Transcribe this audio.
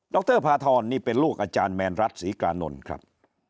รพาทรนี่เป็นลูกอาจารย์แมนรัฐศรีกานนท์ครับ